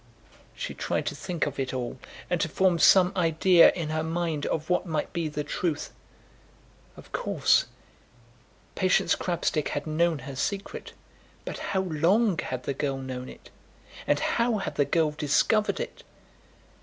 She tried to think of it all, and to form some idea in her mind of what might be the truth. Of course, Patience Crabstick had known her secret, but how long had the girl known it? And how had the girl discovered it?